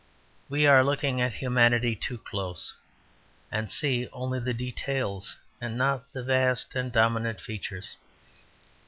We are looking at humanity too close, and see only the details and not the vast and dominant features.